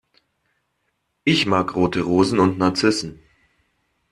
Ich mag rote Rosen und Narzissen.